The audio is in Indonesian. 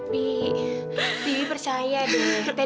bibi bibi percaya deh